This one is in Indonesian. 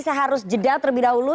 saya harus jeda terlebih dahulu